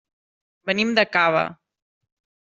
Venim de Cava.